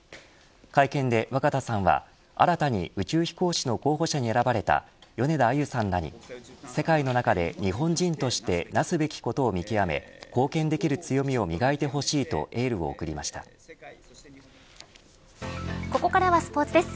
会見で若田さんは新たに宇宙飛行士の候補者に選ばれた米田あゆさんらに世界の中で日本人としてなすべきことを見極め貢献できる強みを磨いてほしいとここからはスポーツです。